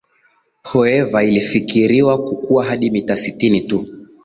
hoever ilifikiriwa kukua hadi mita sitini tu